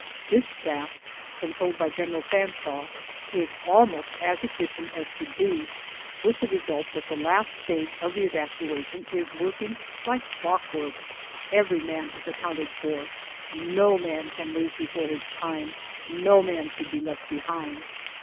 This Staff, controlled by General Fan shawe, is almost as efficient as could be, with the result that the last stage of the evacuation is working like clock work. Every man is accounted for. No man can leave before his time, no man should be left behind.